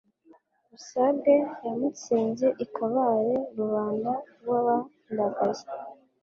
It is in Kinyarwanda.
Busage yamutsinze i Kabale Rubanda rwabandagaye